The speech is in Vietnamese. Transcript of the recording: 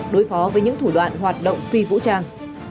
đối phó với những thủ đoạn hoạt động phi vũ trang